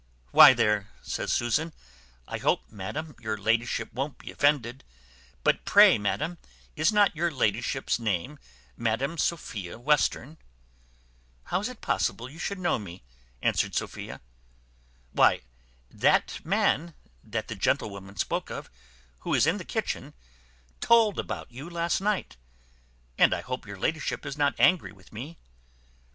"Why there," says Susan, "I hope, madam, your ladyship won't be offended; but pray, madam, is not your ladyship's name Madam Sophia Western?" "How is it possible you should know me?" answered Sophia. "Why that man, that the gentlewoman spoke of, who is in the kitchen, told about you last night. But I hope your ladyship is not angry with me."